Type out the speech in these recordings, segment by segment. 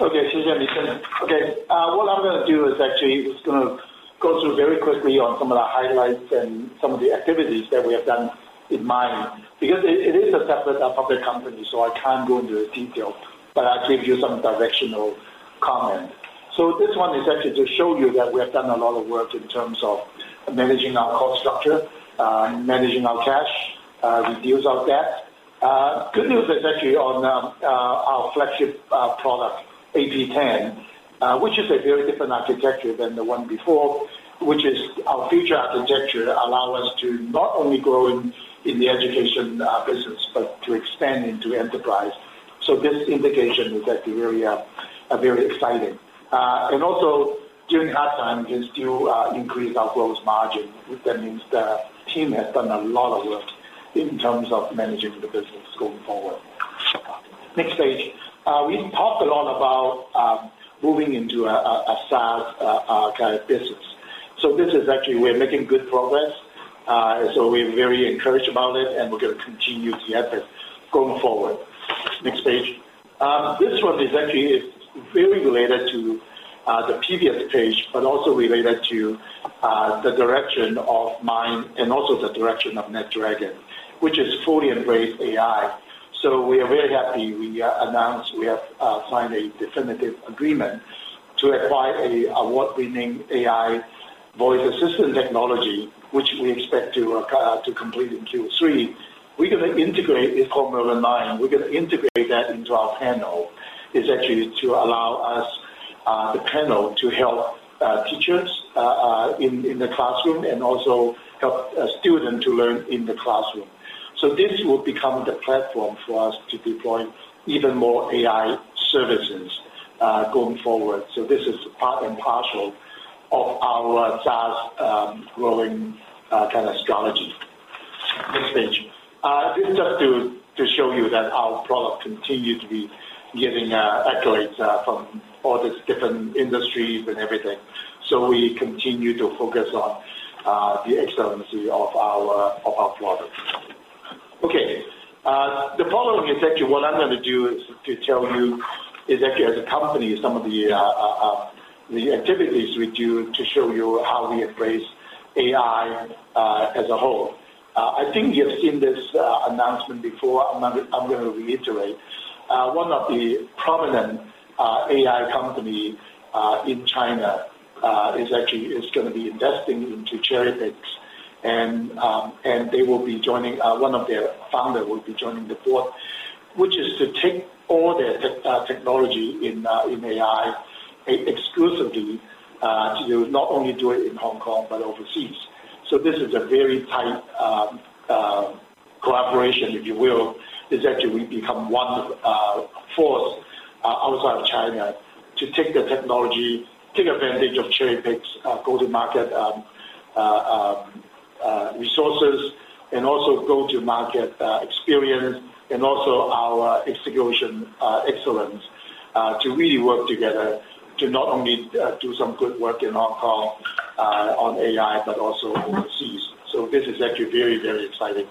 Okay. What I'm going to do is actually just going to go through very quickly on some of the highlights and some of the activities that we have done in mind, because it is a separate public company, so I can't go into the detail, but I'll give you some directional comment. So this one is actually to show you that we have done a lot of work in terms of managing our cost structure, managing our cash, reduce our debt. Good news is actually on our flagship product, AP10, which is a very different architecture than the one before, which is our future architecture allow us to not only grow in the education business, but to expand into enterprise. So this indication is actually very exciting. And also during that time, still increased our gross margin. That means the team has done a lot of work in terms of managing the business going forward. Next page. We've talked a lot about moving into a SaaS kind of business. So this is actually we're making good progress. So we're very encouraged about it and we're going to continue the effort going forward. Next page. This one is actually very related to the previous page, but also related to the direction of MIND and also the direction of NetDragon, which is fully embraced AI. So we are very happy we announced we have signed a definitive agreement to acquire what we named AI voice assistant technology, which we expect to complete in Q3. We're to integrate it's called Merlin nine. We're going to integrate that into our panel. It's actually to allow us the panel to help teachers in the classroom and also help students to learn in the classroom. So this will become the platform for us to deploy even more AI services going forward. So this is part and parcel of our SaaS growing kind of strategy. Next page. This is just to show you that our product continues to be giving accolades from all these different industries and everything. So we continue to focus on the excellency of our product. Okay. The follow-up is actually what I'm going to do is to tell you exactly as a company some of the activities we do to show you how we embrace AI as a whole. I think you have seen this announcement before, I'm going to reiterate. One of the prominent AI company in China is actually is going to be investing into CherryPix and they will be joining one of their founder will be joining the Board, which is to take all their technology in exclusively to not only do it in Hong Kong but overseas. So this is a very tight collaboration, if you will, is that we become one force outside of China to take the technology, take advantage of CherryPeg's go to market resources and also go to market experience and also our execution excellence to really work together to not only do some good work in Hong Kong on AI, but also overseas. So this is actually very, very exciting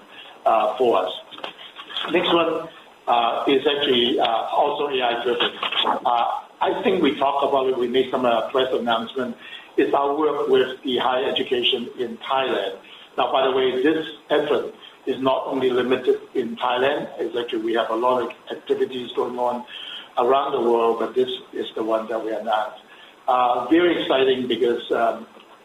for us. Next one is actually also AI driven. I think we talked about it, we made some press announcement, is our work with the higher education in Thailand. Now by the way, this effort is not only limited in Thailand, it's actually we have a lot of activities going on around the world, but this is the one that we announced. Very exciting because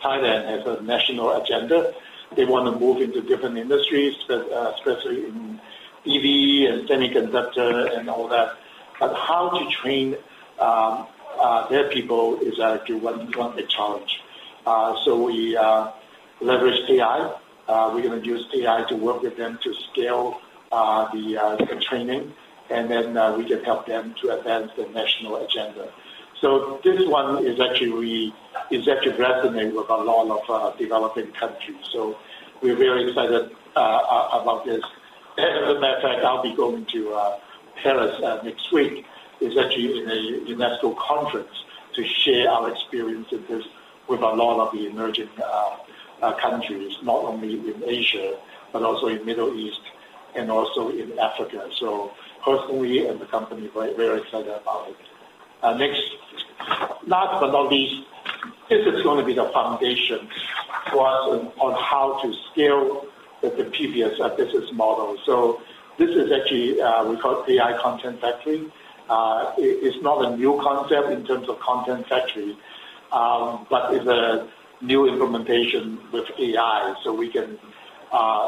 Thailand has a national agenda. They want to move into different industries, especially in EV and semiconductor and all that. But how to train their people is actually one big challenge. So we leverage AI. We're going to use AI to work with them to scale the training and then we can help them to advance the national agenda. So this one is actually we is actually resonating with a lot of developing countries. So we're very excited about this. As a matter of fact, I'll be going to Paris next week. It's actually in a UNESCO conference to share our experiences with a lot of the emerging countries, not only in Asia, but also in Middle East and also in Africa. So personally, we and the company are very excited about it. Next, last but not least, this is going to be the foundation for us on how to scale the PBS business model. So this is actually, we call it AI content factory. It's not a new concept in terms of content factory, but it's a new implementation with AI. So we can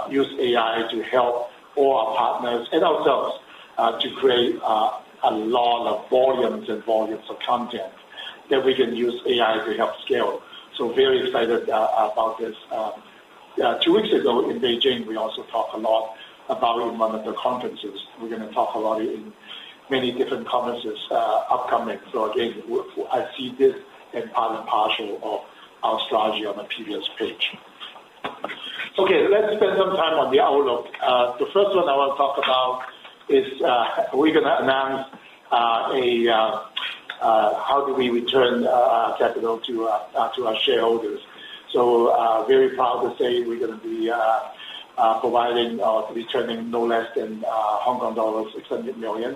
use AI to help all our partners and ourselves to create a lot of volumes and volumes of content that we can use AI to help scale. So very excited about this. Two weeks ago in Beijing, we also talked a lot about in one of the conferences. We're going to talk a lot in many different conferences upcoming. So again, I see this as part and parcel of our strategy on the previous page. Okay, let's spend some time on the outlook. The first one I want to talk about is we're going to announce a how do we return capital to our shareholders. So, very proud to say we're going to be providing or returning no less than Hong Kong dollars 600 million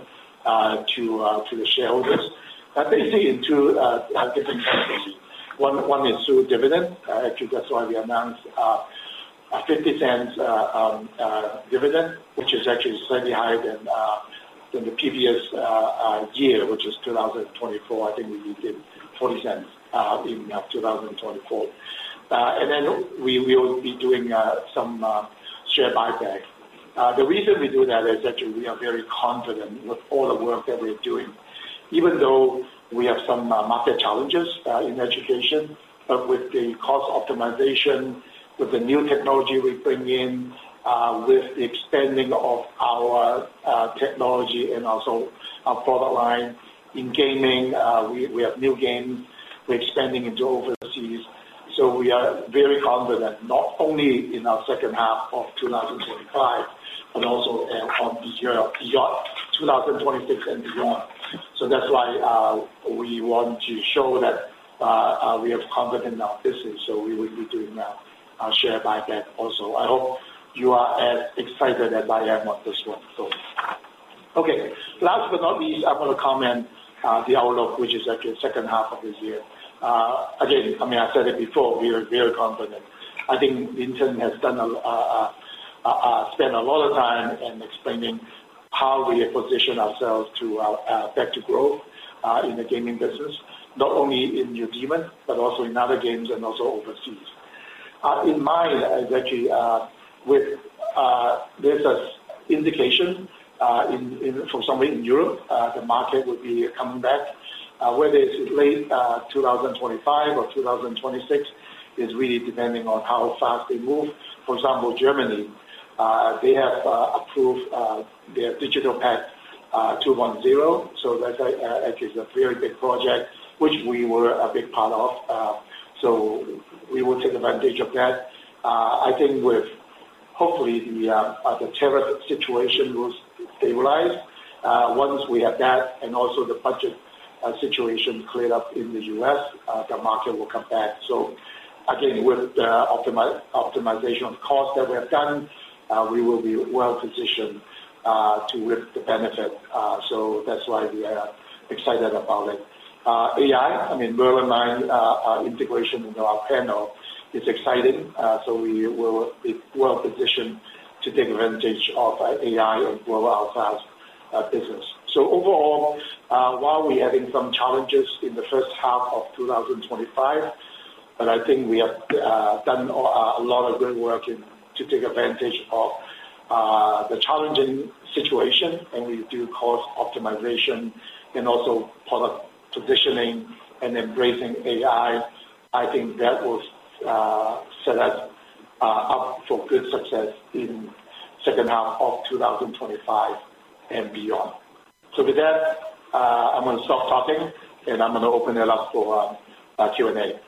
to the shareholders. They see in two different currencies. One is through dividend. Actually, that's why we announced a $0.50 dividend, which is actually slightly higher than the previous year, which is 2024. I think we did 0.40 in 2024. And then we will be doing some share buyback. The reason we do that is that we are very confident with all the work that we're doing. Even though we have some market challenges in education, but with the cost optimization, with the new technology we bring in, with the expanding of our technology and also our product line. In gaming, have new games we're expanding into overseas. So we are very confident not only in our 2025, but also the year of 2026 and beyond. So that's why we want to show that we are confident in our business, so we will be doing our share buyback also. I hope you are as excited as I am of this one. Last but not least, I want to comment the outlook, which is actually second half of this year. Again, I mean, said it before, we are very confident. I think the intern has done spent a lot of time in explaining how we have positioned ourselves to back to growth in the gaming business, not only in New Demon, but also in other games and also overseas. In mind, actually, with this indication in for some reason, Europe, the market will be coming back. Whether it's late twenty twenty five or 2026 is really depending on how fast they move. For example, Germany, they have approved their Digital Pad two point zero. So, that is a very big project, which we were a big part of. So we will take advantage of that. I think with hopefully, the tariff situation will stabilize. Once we have that and also the budget situation cleared up in The U. S, the market will come back. So again, with the optimization of costs that we have done, we will be well positioned to reap the benefit. So that's why we are excited about it. AI, I mean, Merlin line integration into our panel is exciting. So we will be well positioned to take advantage of AI and grow our SaaS business. So overall, while we're having some challenges in the 2025, But I think we have done a lot of good work to take advantage of the challenging situation and we do cost optimization and also product positioning and embracing AI. I think that will set us up for good success in 2025 and beyond. So with that, I'm going to stop talking, and I'm going to open it up for Q and A.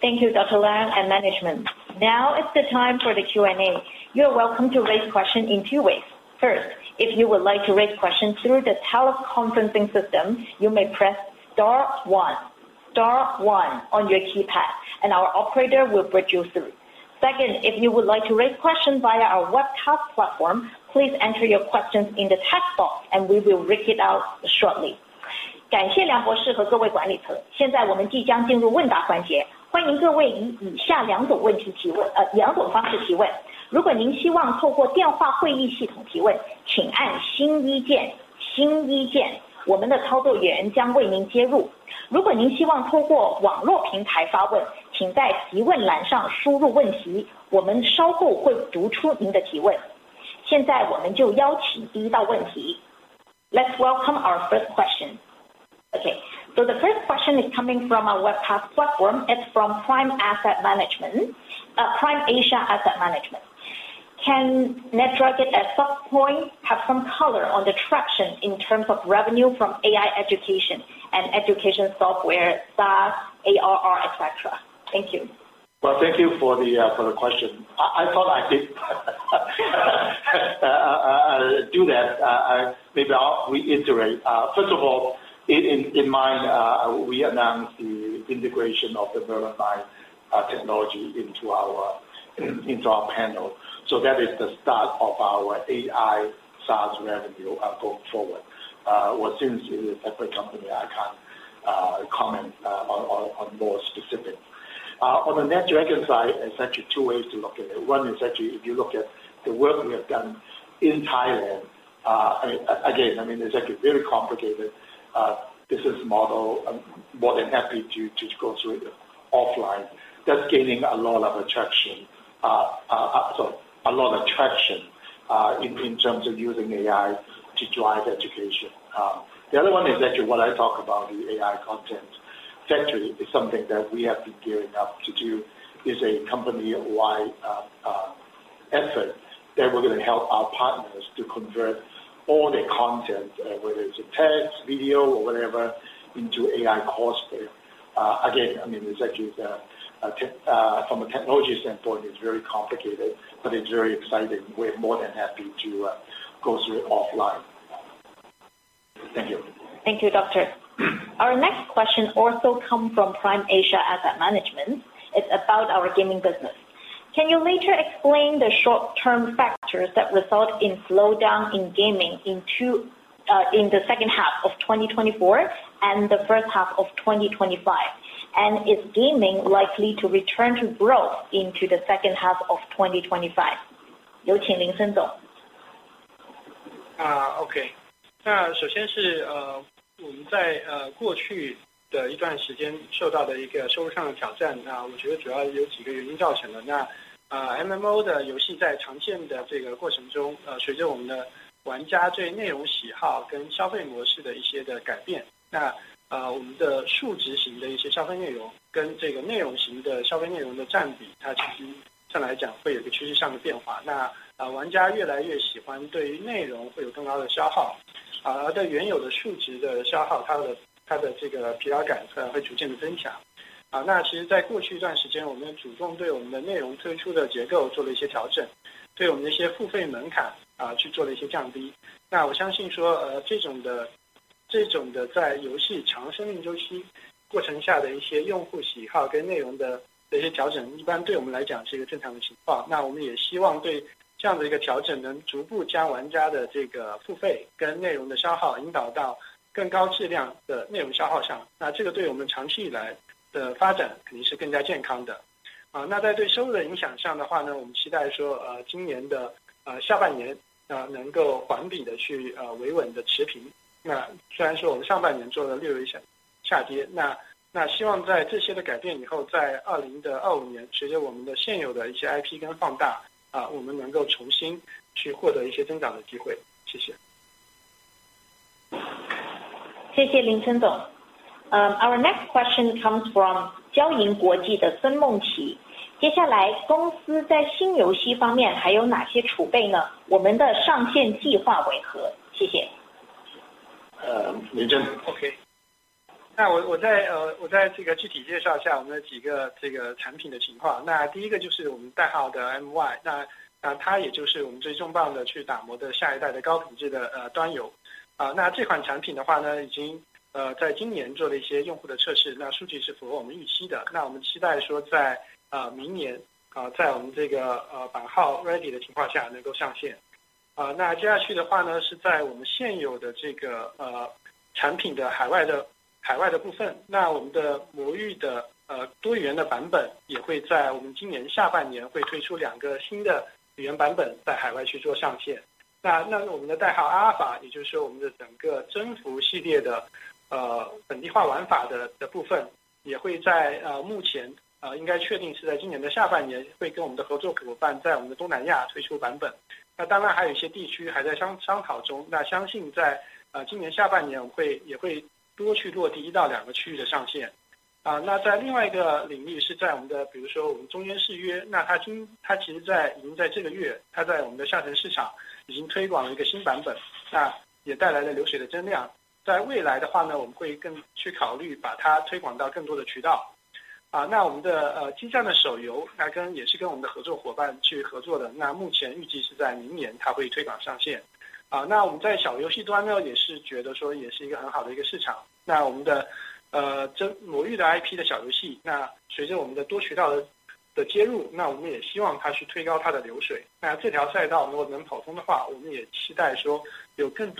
Thank you, Doctor. Lang and management. Now it's the time for the Q and A. You're welcome to raise questions in two ways. First, if you would like to raise questions through the teleconferencing system, you may press you. Let's welcome our first question. Okay. So the first question is coming from our webcast platform. It's from Prime Asset Management Prime Asia Asset Management. Can NetDrugged at some point have some color on the traction in terms of revenue from AI education and education software, SaaS, ARR, etcetera? Thank you. Well, thank you for the question. I thought I did do that. Maybe I'll reiterate. First of all, in mind, we announced the integration of the Verified technology into our panel. So that is the start of our AI SaaS revenue going forward. Well, since it is a separate company, I can't comment on more specific. On the NetDragon side, there's actually two ways to look at it. One is actually, if you look at the work we have done in Thailand, again, I mean, it's actually very complicated business model, more than happy to go through it offline. That's gaining a lot of attraction sorry, a lot of traction in terms of using AI to drive education. The other one is actually what I talk about the AI content factory is something that we have been gearing up to do. It's a company wide effort that we're going to help our partners to convert all their content, whether it's a text, video or whatever into AI cost. Again, I mean, exactly from a technology standpoint, it's very complicated, but it's very exciting. We're more than happy to go through it offline. Thank you. Thank you, Doctor. Our next question also comes from Prime Asia Asset Management. It's about our gaming business. Can you later explain the short term factors that result in slowdown in gaming in the 2024 and the 2025? And is gaming likely to return to growth into the 2025? Our next question comes from Okay.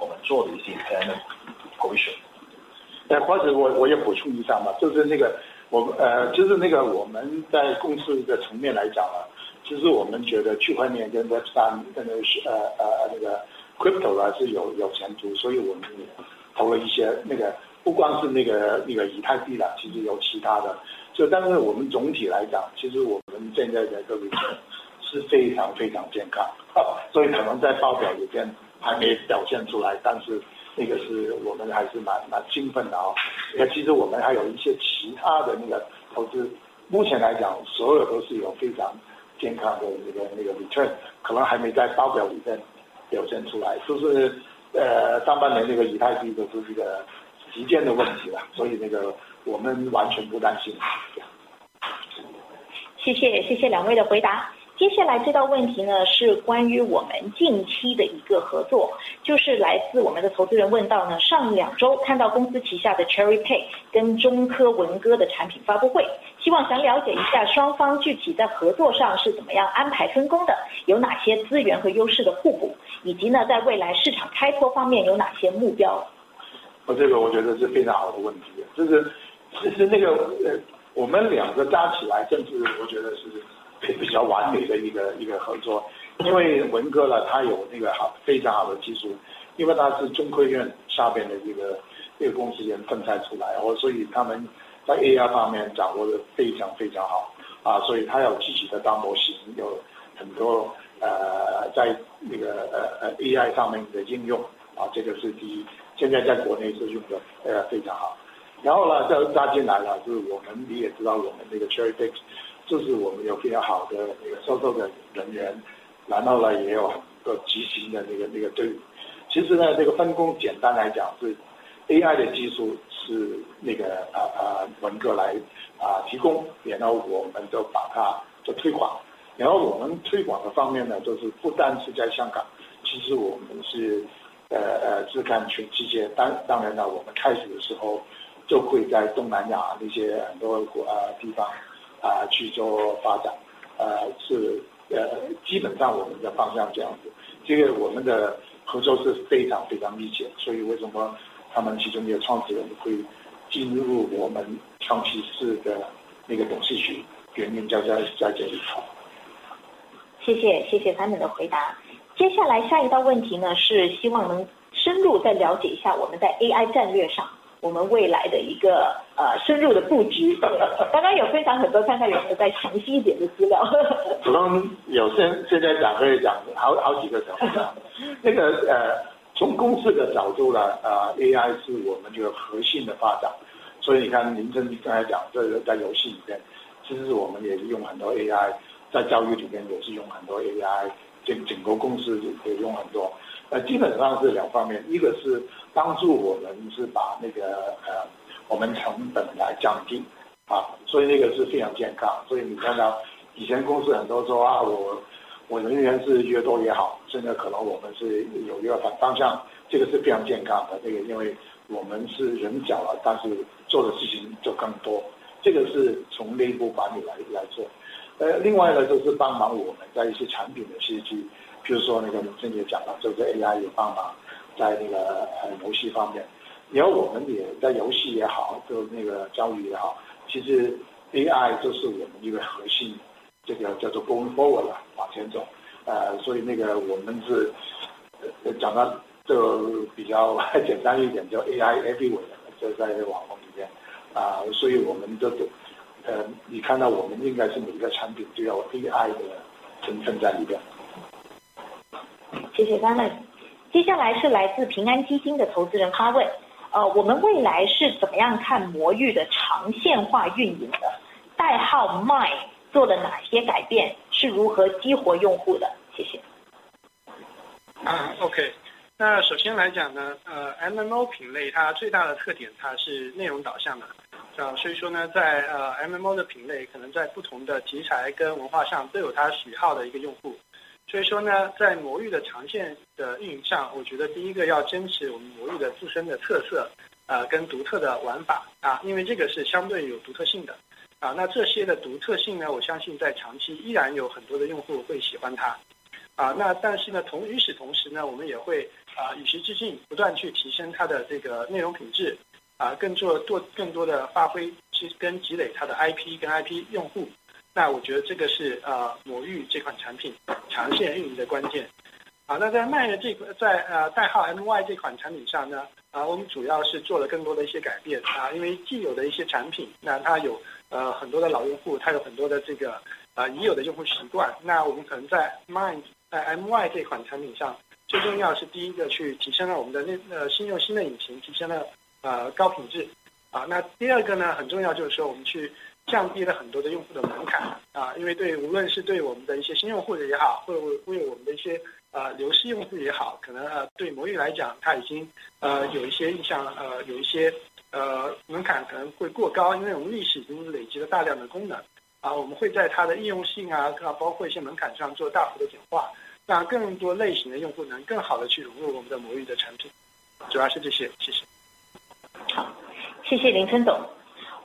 Actually,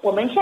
don't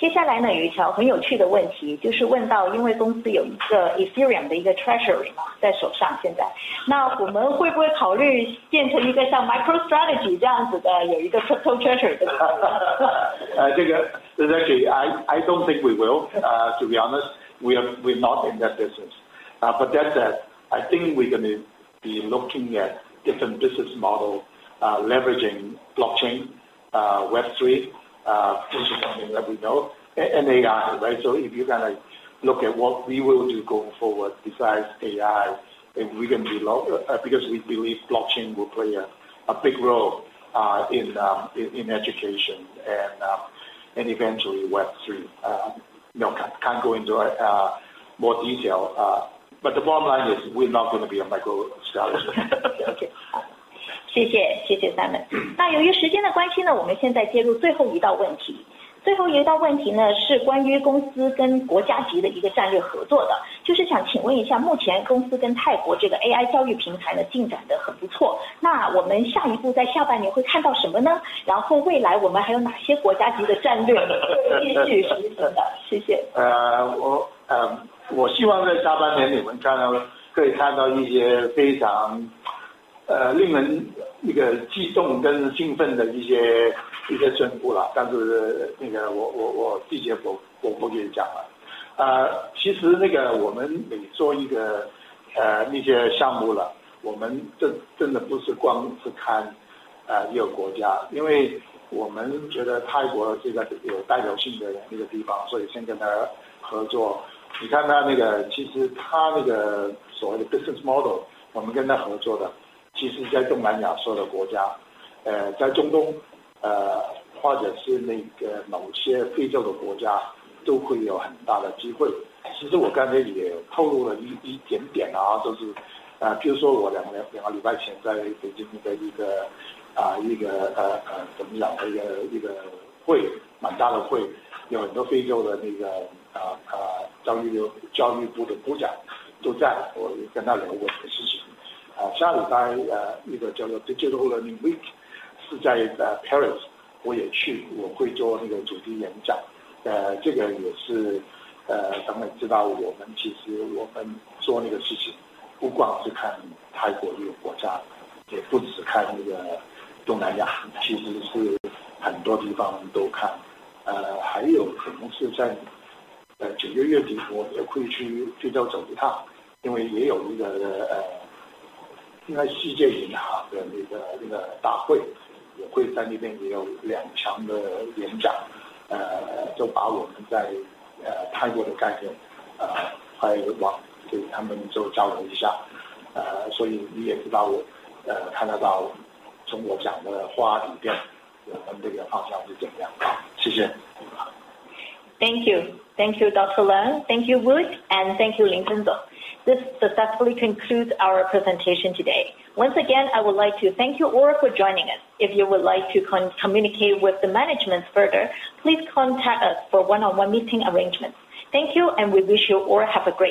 think we will. To be honest, we're not in that business. But that said, I think we're going to be looking at different business model leveraging blockchain, Web3, which is something that we know, and AI, right? So if you kind of look at what we will do going forward besides AI, we're going to be low because we believe blockchain will play a big role in education and eventually Web3. Can't go into more detail. But the bottom line is we're not going to be a micro strategy. Thank you. Thank you, Doctor. Leung. Thank you, Wood and thank you, Ling Zheng Zheng. This successfully concludes our presentation today. Once again, I would like to thank you all for joining us. If you would like to communicate with the management further, please contact us for one on one meeting arrangements. Thank you and we wish you all have a great